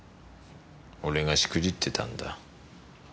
俺がしくじってたんだ。